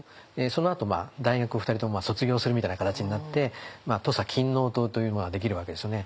そのあと大学を２人とも卒業するみたいな形になって土佐勤王党というのができるわけですよね。